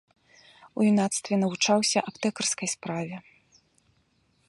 У юнацтве навучаўся аптэкарскай справе.